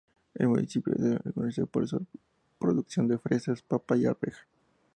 El municipio es reconocido por su producción de fresas, papa y arveja.